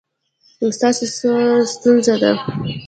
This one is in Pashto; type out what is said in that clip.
ستاسو څه ستونزه ده؟